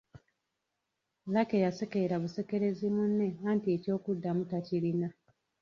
Lucky yasekerera busekerezi munne anti eky'okumuddamu takirina.